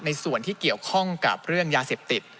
ส่วนที่เกี่ยวข้องกับเรื่องยาเสพติด